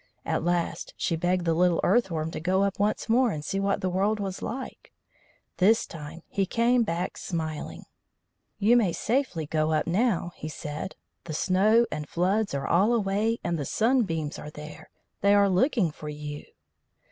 At last she begged the little Earth worm to go up once more and see what the world was like. This time he came back smiling. "You may safely go up now," he said. "The snow and floods are all away, and the sunbeams are there. They are looking for you."